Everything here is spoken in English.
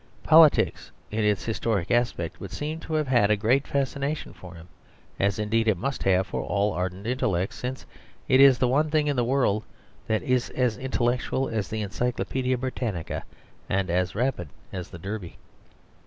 Politics in its historic aspect would seem to have had a great fascination for him, as indeed it must have for all ardent intellects, since it is the one thing in the world that is as intellectual as the Encyclopædia Britannica and as rapid as the Derby.